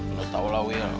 udah tau lah wil